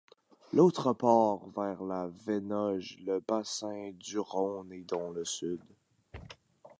L'autre part vers la Venoge, le bassin du Rhône et donc le sud.